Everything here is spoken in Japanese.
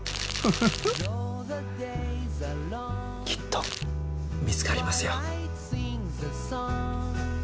きっと見つかりますよ。